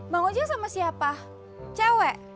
bang ojeng sama siapa cewek